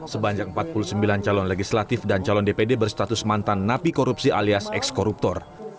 sebanyak empat puluh sembilan calon legislatif dan calon dpd berstatus mantan napi korupsi alias ekskoruptor